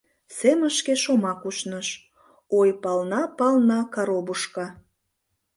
Семышке шомак ушныш: «Ой, полна, полна коробушка...»